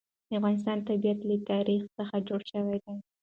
د افغانستان طبیعت له تاریخ څخه جوړ شوی دی.